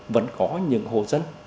vẫn có những hồ dân